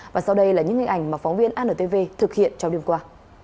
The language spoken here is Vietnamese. và sau đây là những hình ảnh mà phóng viên antv thực hiện trong đêm qua